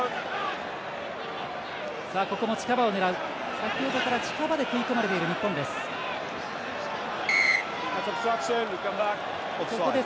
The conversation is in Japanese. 先ほどから近場で食い込まれている、日本です。